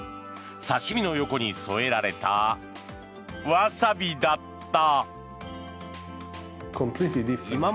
刺し身の横に添えられたワサビだった。